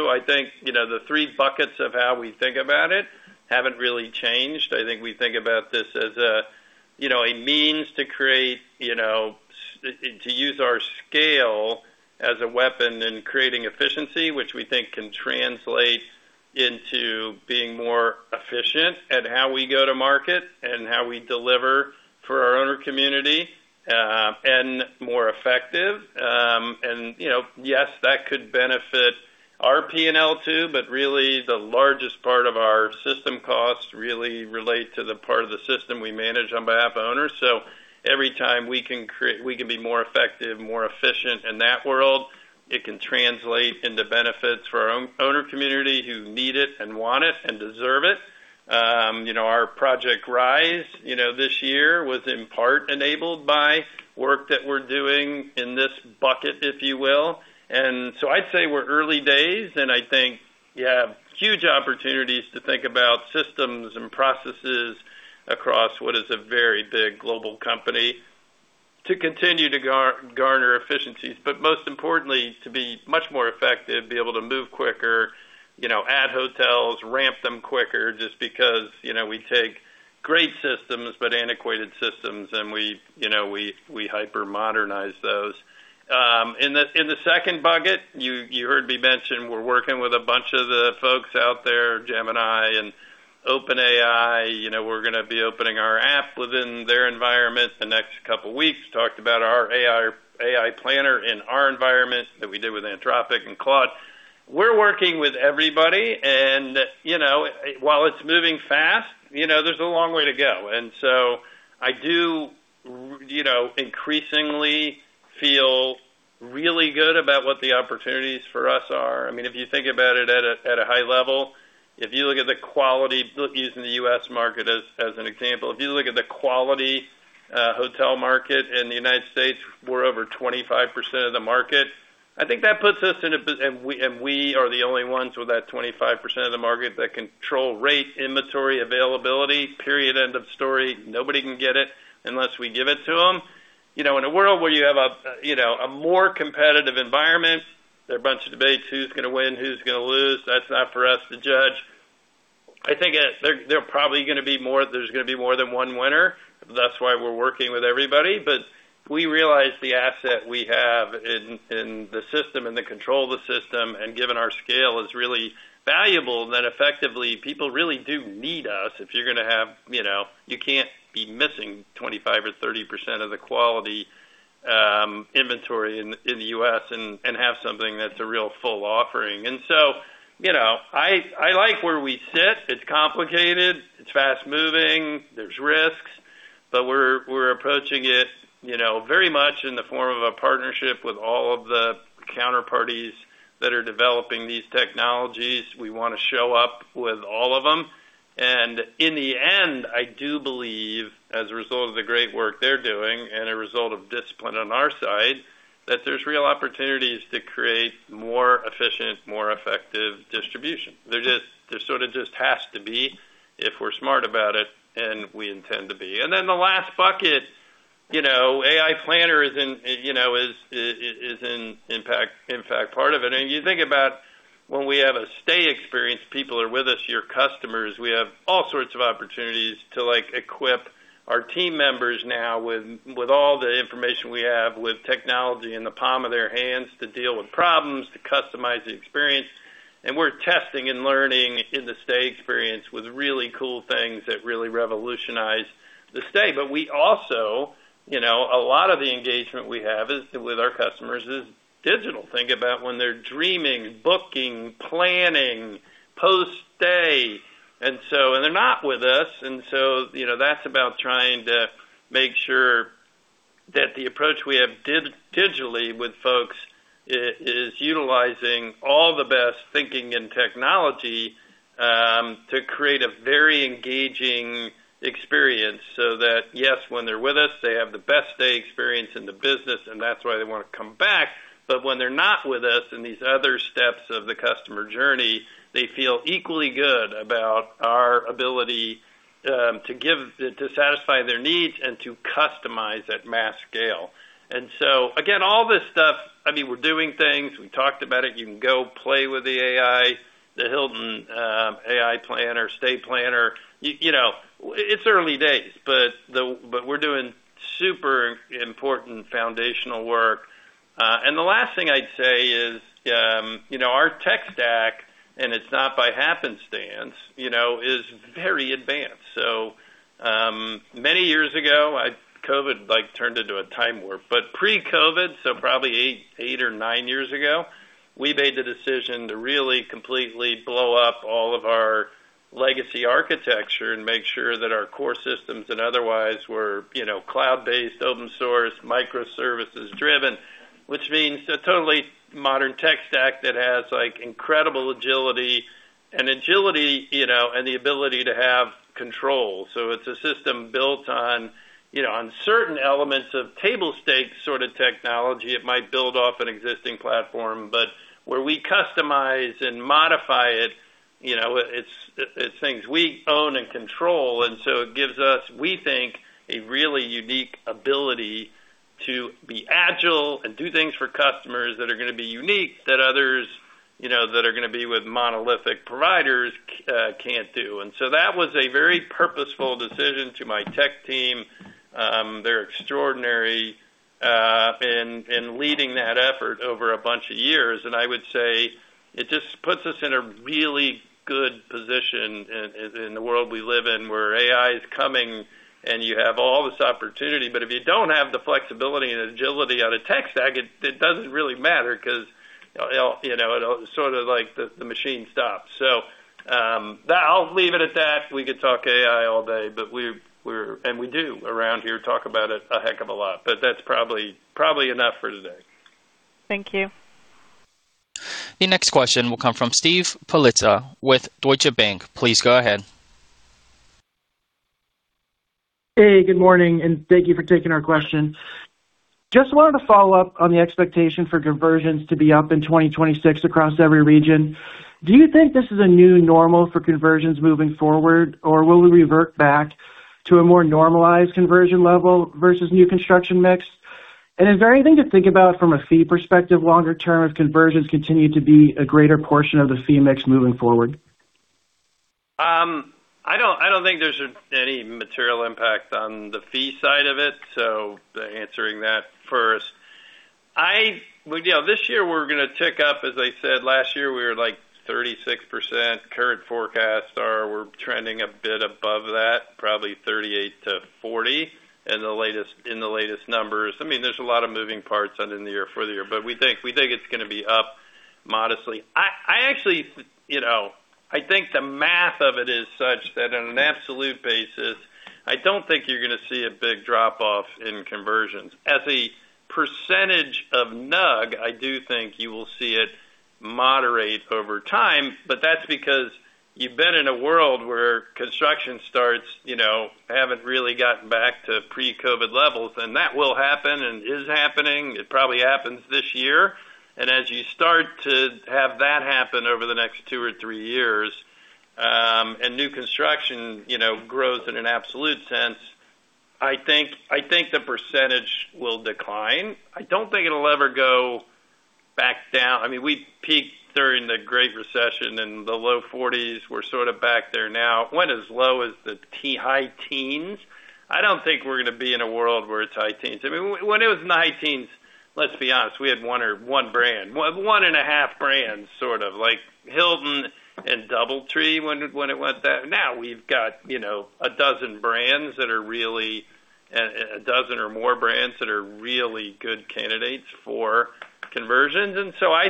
I think, you know, the three buckets of how we think about it haven't really changed. I think we think about this as a, you know, a means to create, you know, to use our scale as a weapon in creating efficiency, which we think can translate into being more efficient at how we go to market and how we deliver for our owner community and more effective. You know, yes, that could benefit our P&L too, but really the largest part of our system costs really relate to the part of the system we manage on behalf of owners. Every time we can be more effective, more efficient in that world, it can translate into benefits for our owner community who need it and want it and deserve it. You know, our Project Rise, you know, this year was in part enabled by work that we're doing in this bucket, if you will. I'd say we're early days, and I think you have huge opportunities to think about systems and processes across what is a very big global company to continue to garner efficiencies, but most importantly, to be much more effective, be able to move quicker, you know, add hotels, ramp them quicker, just because, you know, we take great systems but antiquated systems, and we, you know, we hyper modernize those. In the second bucket, you heard me mention we're working with a bunch of the folks out there, Gemini and OpenAI. You know, we're gonna be opening our app within their environment the next couple weeks. Talked about our AI planner in our environment that we did with Anthropic and Claude. We're working with everybody and, you know, while it's moving fast, you know, there's a long way to go. I do you know, increasingly feel really good about what the opportunities for us are. I mean, if you think about it at a high level, if you look at the quality, using the U.S. market as an example, if you look at the quality, hotel market in the United States, we're over 25% of the market. I think that puts us in a position and we are the only ones with that 25% of the market that control rate, inventory, availability, period, end of story. Nobody can get it unless we give it to them. You know, in a world where you have a more competitive environment, there are a bunch of debates, who's gonna win, who's gonna lose. That's not for us to judge. I think there's gonna be more than one winner. That's why we're working with everybody. We realize the asset we have in the system and the control of the system, and given our scale, is really valuable, that effectively, people really do need us. If you're gonna have, you know, you can't be missing 25% or 30% of the quality inventory in the U.S. and have something that's a real full offering. You know, I like where we sit. It's complicated. It's fast-moving. There's risks. We're approaching it, you know, very much in the form of a partnership with all of the counterparties that are developing these technologies. We wanna show up with all of them. In the end, I do believe, as a result of the great work they're doing and a result of discipline on our side, that there's real opportunities to create more efficient, more effective distribution. There sort of just has to be if we're smart about it, and we intend to be. Then the last bucket, you know, AI Planner is in, you know, is in fact part of it. You think about when we have a stay experience, people are with us, your customers, we have all sorts of opportunities to, like, equip our team members now with all the information we have, with technology in the palm of their hands to deal with problems, to customize the experience. We're testing and learning in the stay experience with really cool things that really revolutionize the stay. We also, you know, a lot of the engagement we have is with our customers is digital. Think about when they're dreaming, booking, planning, post-stay, and so, and they're not with us. You know, that's about trying to make sure that the approach we have digitally with folks is utilizing all the best thinking and technology to create a very engaging experience so that, yes, when they're with us, they have the best stay experience in the business, and that's why they wanna come back. When they're not with us in these other steps of the customer journey, they feel equally good about our ability to give, to satisfy their needs and to customize at mass scale. Again, all this stuff, I mean, we're doing things. We talked about it. You can go play with the AI, the Hilton AI Planner, stay planner. You know, it's early days, we're doing super important foundational work. The last thing I'd say is, you know, our tech stack, and it's not by happenstance, you know, is very advanced. Many years ago, COVID, like, turned into a time warp. Pre-COVID, probably eight or nine years ago, we made the decision to really completely blow up all of our legacy architecture and make sure that our core systems that otherwise were, you know, cloud-based, open source, microservices driven, which means a totally modern tech stack that has, like, incredible agility, you know, and the ability to have control. It's a system built on, you know, certain elements of table stake sort of technology. It might build off an existing platform, but where we customize and modify it, you know, it's things we own and control. It gives us, we think, a really unique ability to be agile and do things for customers that are gonna be unique, that others, you know, that are gonna be with monolithic providers, can't do. That was a very purposeful decision to my tech team. They're extraordinary, in leading that effort over a bunch of years. I would say it just puts us in a really good position in the world we live in, where AI is coming and you have all this opportunity. If you don't have the flexibility and agility on a tech stack, it doesn't really matter 'cause, you know, it all, you know, it all sort of like the machine stops. That. I'll leave it at that. We could talk AI all day, we're and we do around here, talk about it a heck of a lot, but that's probably enough for today. Thank you. The next question will come from Steve Pizzella with Deutsche Bank. Please go ahead. Hey, good morning, and thank you for taking our question. Just wanted to follow up on the expectation for conversions to be up in 2026 across every region. Do you think this is a new normal for conversions moving forward, or will we revert back to a more normalized conversion level versus new construction mix? Is there anything to think about from a fee perspective longer term, if conversions continue to be a greater portion of the fee mix moving forward? I don't think there's any material impact on the fee side of it, so answering that first. Well, you know, this year we're gonna tick up. As I said, last year we were like 36%. Current forecasts are we're trending a bit above that, probably 38%-40% in the latest numbers. I mean, there's a lot of moving parts for the year, but we think it's gonna be up modestly. I actually, you know, I think the math of it is such that on an absolute basis, I don't think you're gonna see a big drop-off in conversions. As a percentage of NUG, I do think you will see it moderate over time, that's because you've been in a world where construction starts, you know, haven't really gotten back to pre-COVID levels, and that will happen and is happening. It probably happens this year. As you start to have that happen over the next two or three years, and new construction, you know, grows in an absolute sense, I think the percentage will decline. I don't think it'll ever go back down. I mean, we peaked during the Great Recession in the low 40%s. We're sort of back there now. Went as low as the high teens. I don't think we're gonna be in a world where it's high teens. I mean, when it was in the high teens, let's be honest, we had one brand. Well, one and a half brands, sort of like Hilton and DoubleTree when it went down. We've got, you know, a dozen or more brands that are really good candidates for conversions. I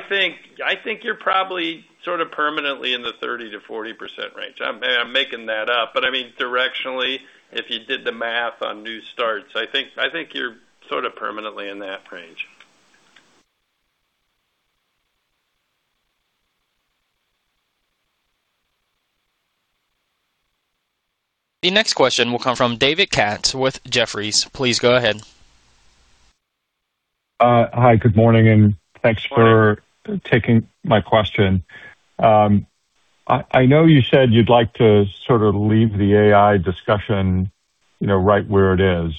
think you're probably sort of permanently in the 30%-40% range. I'm making that up, but I mean, directionally, if you did the math on new starts, I think you're sort of permanently in that range. The next question will come from David Katz with Jefferies. Please go ahead. Hi, good morning. Good morning. Thanks for taking my question. I know you said you'd like to sort of leave the AI discussion, you know, right where it is.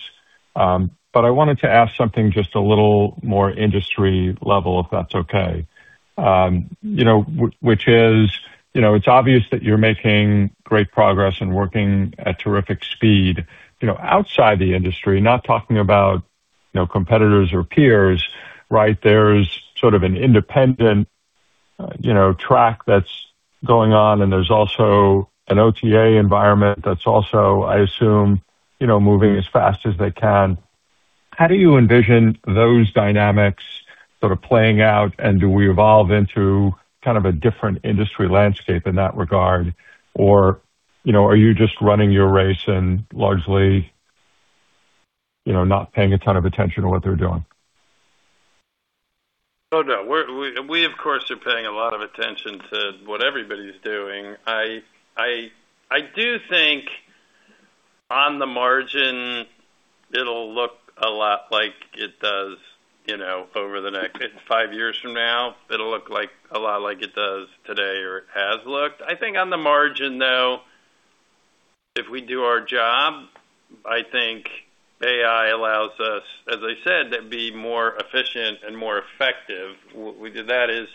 I wanted to ask something just a little more industry level, if that's okay. You know, which is, you know, it's obvious that you're making great progress and working at terrific speed. You know, outside the industry, not talking about, you know, competitors or peers, right? There's sort of an independent, you know, track that's going on, and there's also an OTA environment that's also, I assume, you know, moving as fast as they can. How do you envision those dynamics sort of playing out, do we evolve into kind of a different industry landscape in that regard? You know, are you just running your race and largely, you know, not paying a ton of attention to what they're doing? Oh, no. We of course, are paying a lot of attention to what everybody's doing. I do think on the margin it'll look a lot like it does, you know, over the next five years from now. It'll look like a lot like it does today or has looked. I think on the margin though, if we do our job, I think AI allows us, as I said, to be more efficient and more effective. That is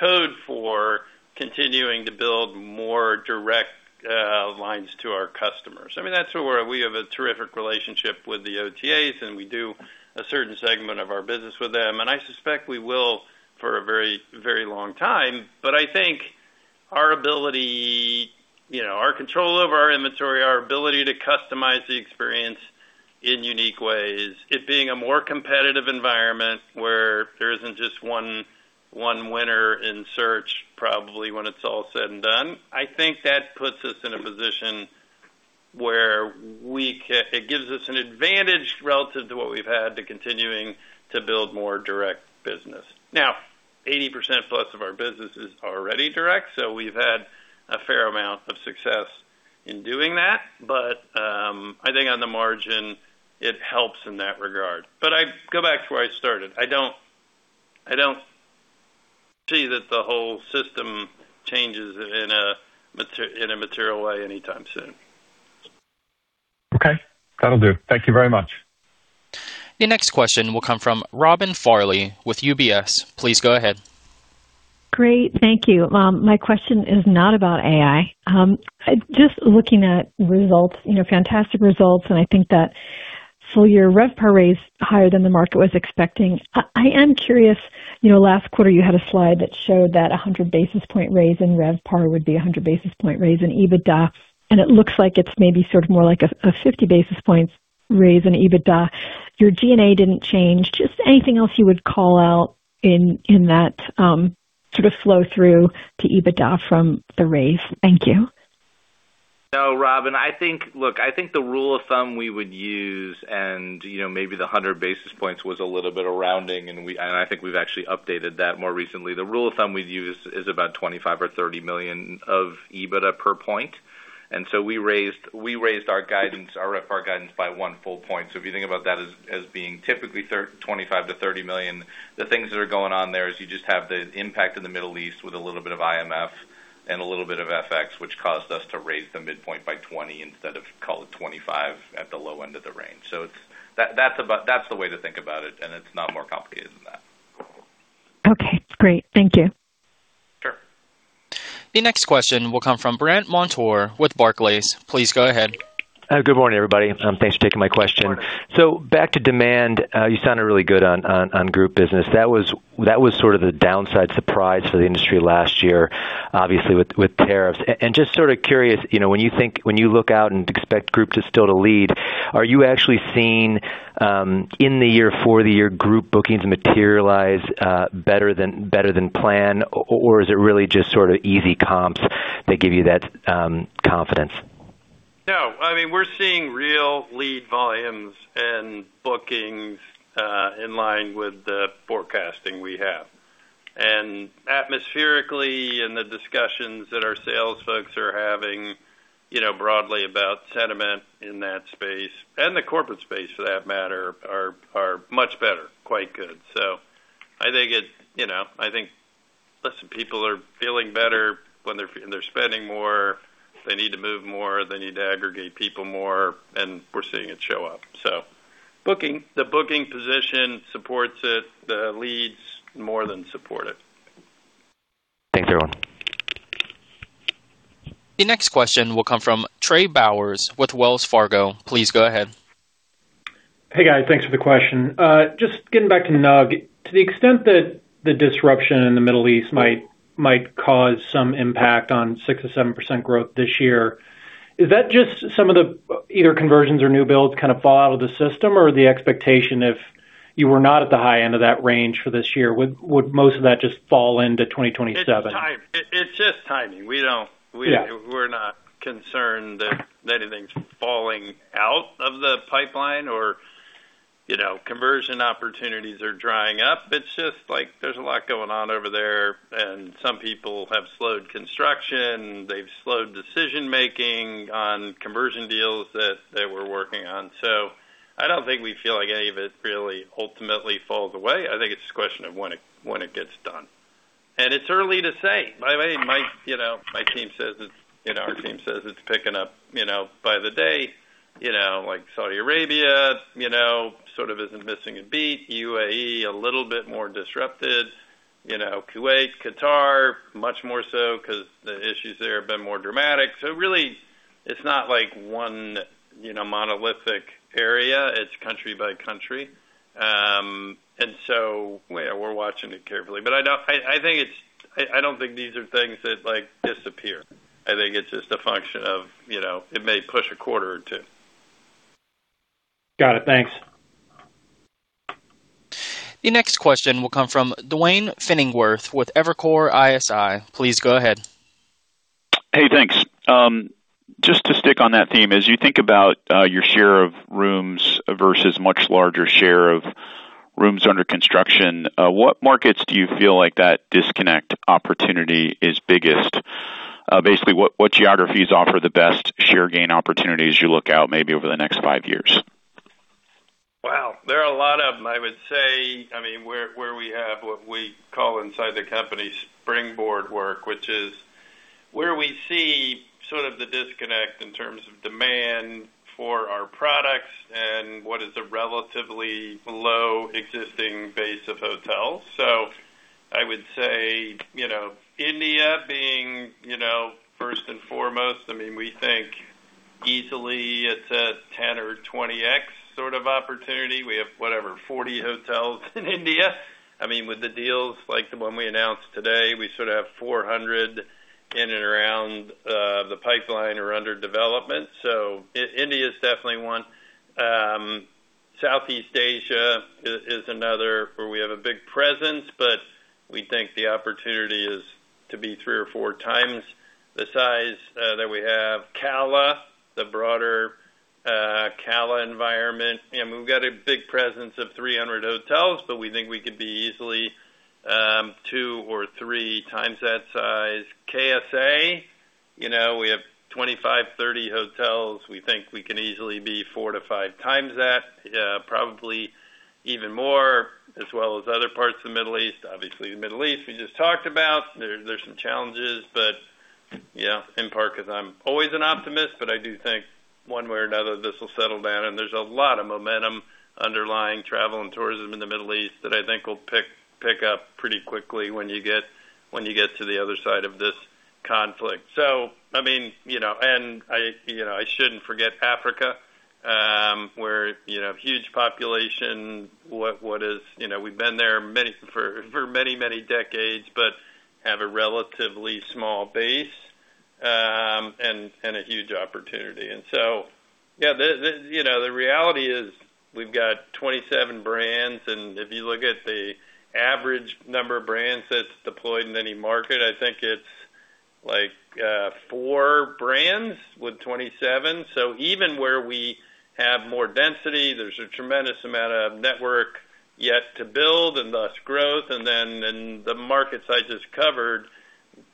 code for continuing to build more direct lines to our customers. I mean, that's where we have a terrific relationship with the OTAs, and we do a certain segment of our business with them, and I suspect we will for a very, very long time. I think our ability, you know, our control over our inventory, our ability to customize the experience in unique ways, it being a more competitive environment where there isn't just one winner in search, probably when it's all said and done. I think that puts us in a position where it gives us an advantage relative to what we've had to continuing to build more direct business. 80%+ of our business is already direct, so we've had a fair amount of success in doing that. I think on the margin, it helps in that regard. I go back to where I started. I don't see that the whole system changes in a material way anytime soon. Okay, that'll do. Thank you very much. The next question will come from Robin Farley with UBS. Please go ahead. Great. Thank you. My question is not about AI. Just looking at results, you know, fantastic results, and I think that full year RevPAR raise higher than the market was expecting. I am curious, you know, last quarter you had a slide that showed that a 100 basis point raise in RevPAR would be a 100 basis point raise in EBITDA, and it looks like it's maybe sort of more like a 50 basis points raise in EBITDA. Your G&A didn't change. Just anything else you would call out in that, sort of flow through to EBITDA from the raise? Thank you. No, Robin, I think. Look, I think the rule of thumb we would use and, you know, maybe the 100 basis points was a little bit of rounding, and I think we've actually updated that more recently. The rule of thumb we'd use is about $25 million or $30 million of EBITDA per point. We raised our guidance, our RevPAR guidance by 1 full point. If you think about that as being typically $25 million-$30 million, the things that are going on there is you just have the impact in the Middle East with a little bit of IMF and a little bit of FX, which caused us to raise the midpoint by $20 million instead of call it $25 million at the low end of the range. That's the way to think about it, and it's not more complicated than that. Okay, great. Thank you. Sure. The next question will come from Brandt Montour with Barclays. Please go ahead. Good morning, everybody. Thanks for taking my question. Good morning. Back to demand. You sounded really good on group business. That was sort of the downside surprise for the industry last year, obviously with tariffs. Just sort of curious, you know, when you look out and expect group to still to lead, are you actually seeing in the year, for the year group bookings materialize better than plan? Is it really just sort of easy comps that give you that confidence? No. I mean, we're seeing real lead volumes and bookings, in line with the forecasting we have. Atmospherically, in the discussions that our sales folks are having, you know, broadly about sentiment in that space and the corporate space for that matter, are much better, quite good. I think it's, you know, I think listen, people are feeling better when they're spending more, they need to move more, they need to aggregate people more, and we're seeing it show up. Booking. The booking position supports it. The leads more than support it. Thanks, everyone. The next question will come from Trey Bowers with Wells Fargo. Please go ahead. Hey, guys. Thanks for the question. Just getting back to NUG. To the extent that the disruption in the Middle East might cause some impact on 6%-7% growth this year, is that just some of the either conversions or new builds kind of fall out of the system? Or the expectation if you were not at the high end of that range for this year, would most of that just fall into 2027? It's just timing. We don't- Yeah. We're not concerned that anything's falling out of the pipeline or, you know, conversion opportunities are drying up. It's just like there's a lot going on over there, and some people have slowed construction, they've slowed decision-making on conversion deals that they were working on. I don't think we feel like any of it really ultimately falls away. I think it's a question of when it gets done. It's early to say. My, you know, my team says it's, you know, our team says it's picking up, you know, by the day. You know, like Saudi Arabia, you know, sort of isn't missing a beat. UAE a little bit more disrupted. You know, Kuwait, Qatar, much more so 'cause the issues there have been more dramatic. Really, it's not like one, you know, monolithic area. It's country by country. We're watching it carefully. I don't think these are things that like disappear. I think it's just a function of, you know, it may push a quarter or two. Got it. Thanks. The next question will come from Duane Pfennigwerth with Evercore ISI. Please go ahead. Hey, thanks. Just to stick on that theme, as you think about your share of rooms versus much larger share of rooms under construction, what markets do you feel like that disconnect opportunity is biggest? Basically what geographies offer the best share gain opportunities you look out maybe over the next five years? Wow. There are a lot of them. I would say, I mean, where we have what we call inside the company springboard work, which is where we see sort of the disconnect in terms of demand for our products and what is a relatively low existing base of hotels. I would say, you know, India being, you know, first and foremost. I mean, we think easily it's a 10x or 20x sort of opportunity. We have whatever, 40 hotels in India. I mean, with the deals like the one we announced today, we sort of have 400 in and around the pipeline or under development. India is definitely one. Southeast Asia is another where we have a big presence, but we think the opportunity is to be 3x or 4x the size that we have. CALA, the broader CALA environment, you know, we've got a big presence of 300 hotels, but we think we could be easily 2x or 3x that size. KSA, you know, we have 25, 30 hotels. We think we can easily be 4 to 5 times that, probably even more, as well as other parts of the Middle East. The Middle East we just talked about. There's some challenges, but in part because I'm always an optimist, but I do think one way or another, this will settle down. There's a lot of momentum underlying travel and tourism in the Middle East that I think will pick up pretty quickly when you get to the other side of this conflict. I mean, you know. I, you know, I shouldn't forget Africa, where, you know, huge population. You know, we've been there for many, many decades, but have a relatively small base, and a huge opportunity. The, you know, the reality is we've got 27 brands, and if you look at the average number of brands that's deployed in any market, I think it's like four brands with 27. Even where we have more density, there's a tremendous amount of network yet to build and thus growth. In the markets I just covered,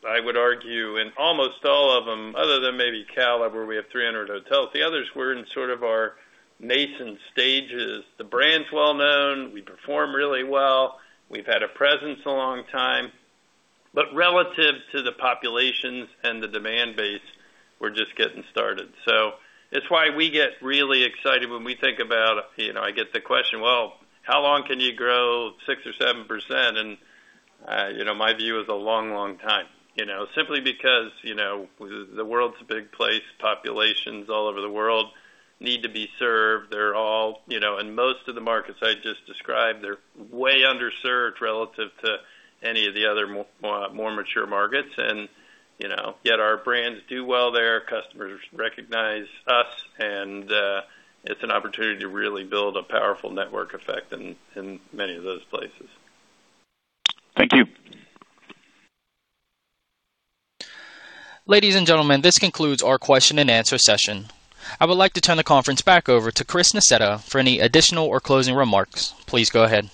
I would argue in almost all of them, other than maybe CALA, where we have 300 hotels, the others we're in sort of our nascent stages. The brand's well-known. We perform really well. We've had a presence a long time. Relative to the populations and the demand base, we're just getting started. It's why we get really excited when we think about, you know, I get the question, "Well, how long can you grow 6% or 7%?" You know, my view is a long, long time. You know, simply because, you know, the world's a big place. Populations all over the world need to be served. They're all, you know, in most of the markets I just described, they're way underserved relative to any of the other more mature markets. You know, yet our brands do well there. Customers recognize us, and it's an opportunity to really build a powerful network effect in many of those places. Thank you. Ladies and gentlemen, this concludes our question and answer session. I would like to turn the conference back over to Chris Nassetta for any additional or closing remarks. Please go ahead.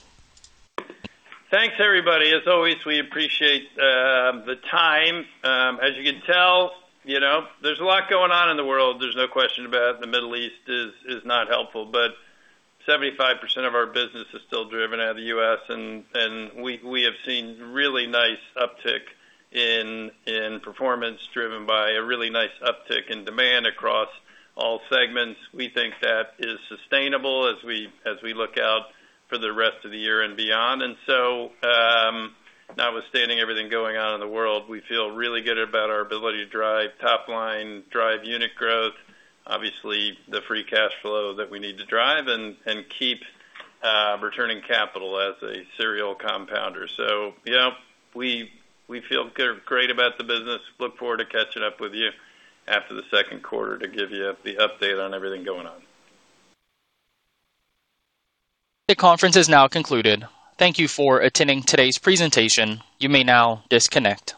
Thanks, everybody. As always, we appreciate the time. As you can tell, you know, there's a lot going on in the world. There's no question about it. The Middle East is not helpful, but 75% of our business is still driven out of the U.S., and we have seen really nice uptick in performance driven by a really nice uptick in demand across all segments. We think that is sustainable as we look out for the rest of the year and beyond. Notwithstanding everything going on in the world, we feel really good about our ability to drive top line, drive unit growth, obviously the free cash flow that we need to drive and keep returning capital as a serial compounder. Yeah, we feel great about the business. Look forward to catching up with you after the second quarter to give you the update on everything going on. The conference has now concluded. Thank you for attending today's presentation. You may now disconnect.